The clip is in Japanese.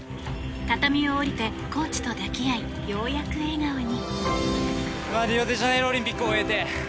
畳を下りてコーチと抱き合いようやく笑顔に。